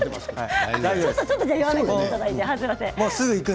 弱めていただいて。